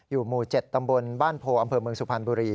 หมู่๗ตำบลบ้านโพอำเภอเมืองสุพรรณบุรี